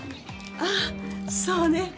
あっそうね。